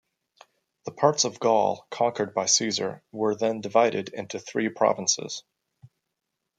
The parts of Gaul conquered by Caesar were then divided into three provinces.